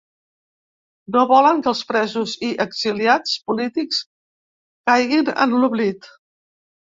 No volen que els presos i exiliats polítics caiguin en l’oblit.